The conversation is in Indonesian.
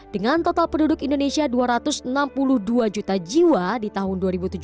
dengan total penduduk indonesia dua ratus enam puluh dua juta jiwa di tahun dua ribu tujuh belas